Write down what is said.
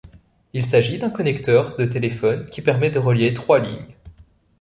Il s'agit d'un connecteur de téléphone qui permet de relier trois lignes.